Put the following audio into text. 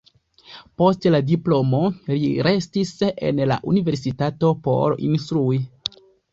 Post la diplomo li restis en la universitato por instrui.